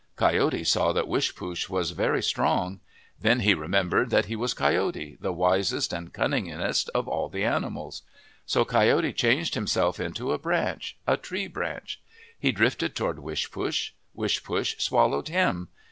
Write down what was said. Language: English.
Coyote saw that Wishpoosh was very strong. Then he remembered that he was Coyote, the wisest and cunningest of all the animals. So Coyote changed himself into a branch, a tree branch. He drifted toward Wishpoosh. Wishpoosh swal lowed him.